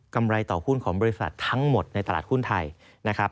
กำไรต่อหุ้นของบริษัททั้งหมดในตลาดหุ้นไทย